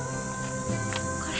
これ。